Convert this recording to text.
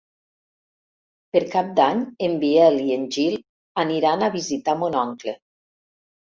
Per Cap d'Any en Biel i en Gil aniran a visitar mon oncle.